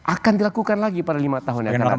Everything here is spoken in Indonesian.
akan dilakukan lagi pada lima tahun